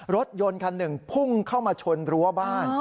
รถยนต์คันหนึ่งพุ่งเข้ามาชนรั้วบ้าน